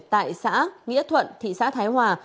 tại xã nghĩa thuận thị xã thái hòa